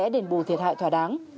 nên bù thiệt hại thỏa đáng